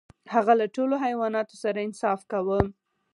هغه له ټولو حیواناتو سره انصاف کاوه.